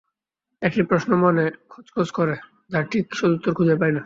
একটি প্রশ্ন মনে খচখচ করে, যার ঠিক সদুত্তর খুঁজে পাই না।